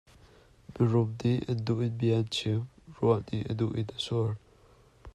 Mirum nih an duh in bia an chim, ruah nih a duh in a sur.